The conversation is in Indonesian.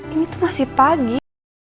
ini tuh masih pagi